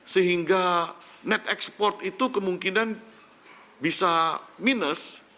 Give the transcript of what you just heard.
sehingga net export itu kemungkinan bisa minus